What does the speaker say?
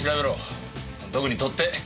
特に取っ手。